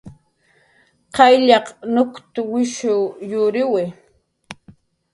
Qayllaq nuk'utwishiw yuriwi